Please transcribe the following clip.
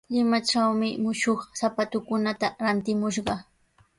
Limatrawmi mushuq sapatukunata rantimushqaa.